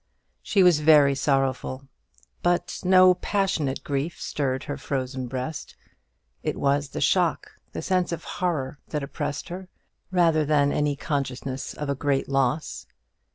She was very sorrowful; but no passionate grief stirred her frozen breast. It was the shock, the sense of horror that oppressed her, rather than any consciousness of a great loss.